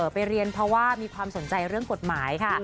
ไปเรียนเพราะว่ามีความสนใจเรื่องกฎหมายค่ะ